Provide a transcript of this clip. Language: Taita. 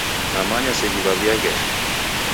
Namanya seji w'aw'iaghesha.